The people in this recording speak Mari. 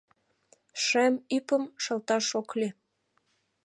Шем ӱпым шылташ ок лий.